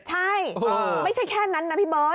ใช่ไม่ใช่แค่นั้นนะพี่เบิร์ต